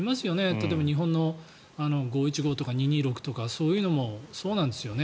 例えば日本の五・一五とか二・二六とかそういうのもそうなんですよね。